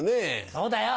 そうだよ。